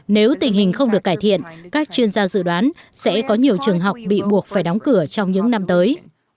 nếu tình hình không được cải thiện các chuyên gia dự đoán sẽ có nhiều trường học bị buộc phải đóng cửa trong những năm tới